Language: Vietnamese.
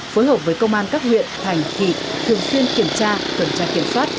phối hợp với công an các huyện thành thị thường xuyên kiểm tra cẩn trang kiểm soát